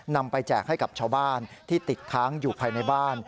นำไปแจกให้กับชาวบ้านที่ติดค้างอยู่ภายในบ้าน